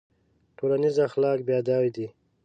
ټولنیز اخلاق بیا دا دي.